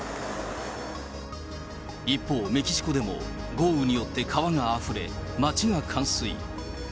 一方、メキシコでも豪雨によって川があふれ、町が冠水。